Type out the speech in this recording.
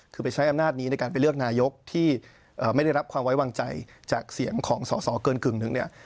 คือไปใช้อำนาจนี้ในการไปเลือกนายกที่ไม่ได้รับความไว้วางใจจากเสียงของสอสอเกินกึ่งหนึ่งเนี่ย